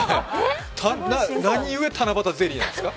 何ゆえ七夕ゼリーなんですか？